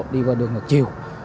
đi vào đường ngược chiều